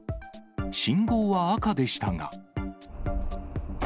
信号は赤でしたが。